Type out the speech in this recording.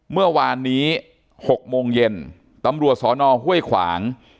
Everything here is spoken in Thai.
เมื่อวานนี้๖โมงเย็นตำรวจสอนอห้วยขวาง